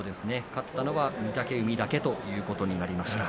勝ったのは御嶽海だけということになりました。